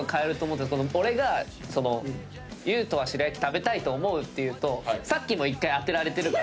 俺が裕翔は白焼食べたいと思うって言うとさっきも１回当てられてるから。